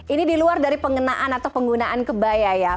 ini diluar dari pengenaan atau penggunaan kebaya ya